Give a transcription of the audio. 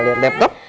nah antung lah